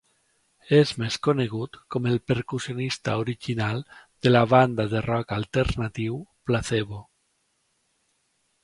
És més conegut com el percussionista original de la banda de rock alternatiu Placebo.